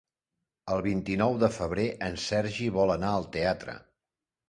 El vint-i-nou de febrer en Sergi vol anar al teatre.